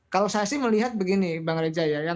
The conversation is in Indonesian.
kalau saya sih melihat begini bang rejaya